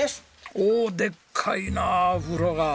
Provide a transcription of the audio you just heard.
おおでっかいな風呂が。